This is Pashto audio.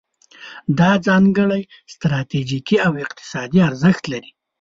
دا ځانګړی ستراتیژیکي او اقتصادي ارزښت لري.